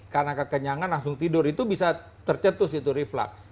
karena kekenyangan langsung tidur itu bisa tercetus itu reflaks